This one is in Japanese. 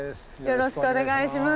よろしくお願いします。